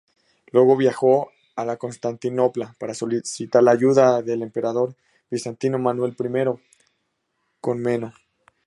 Luego viajó a Constantinopla para solicitar la ayuda del emperador bizantino Manuel I Comneno.